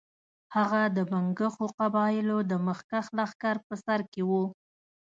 هغه د بنګښو قبایلو د مخکښ لښکر په سر کې وو.